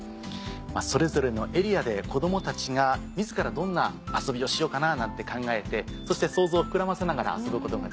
それぞれのエリアで子供たちが自らどんな遊びをしようかな？なんて考えてそして想像を膨らませながら遊ぶことができる。